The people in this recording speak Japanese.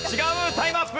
タイムアップ。